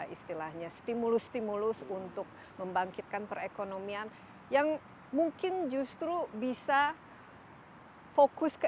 istilahnya stimulus stimulus untuk membangkitkan perekonomian yang mungkin justru bisa fokus ke